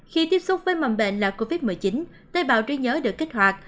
khi tiếp xúc với mầm bệnh là covid một mươi chín tế bào trí nhớ được kích hoạt